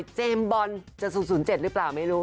เจมส์บอนตร์จะสุดส่วนเจ็ดรึเปล่าไม่รู้